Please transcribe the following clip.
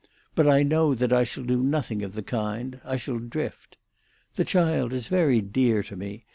But I know that I shall do nothing of the kind; I shall drift. The child is very dear to me.